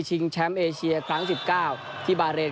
แชมป์เอเชียครั้ง๑๙ที่บาเรน